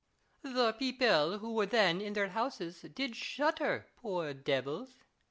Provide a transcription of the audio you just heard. The people who were then in their houses did shudder, poor devils !